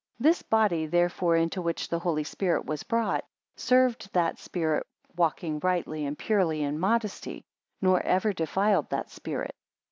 This body therefore into which the Holy Spirit was brought, served that Spirit, walking rightly and purely in modesty; nor ever defiled that Spirit.